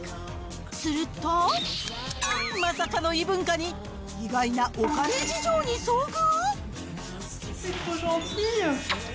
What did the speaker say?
すると、まさかの異文化に、意外なお金事情に遭遇？